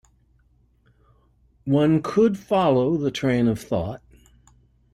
One could follow the train of thought.